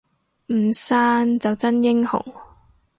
唔散就真英雄